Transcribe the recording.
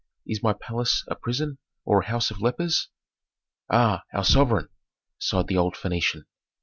"Is my palace a prison, or a house of lepers?" "Ah, our sovereign!" sighed the old Phœnician.